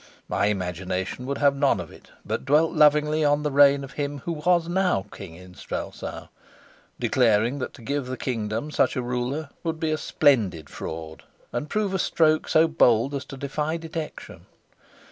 My imagination would have none of it, but dwelt lovingly on the reign of him who was now king in Strelsau, declaring that to give the kingdom such a ruler would be a splendid fraud, and prove a stroke so bold as to defy detection.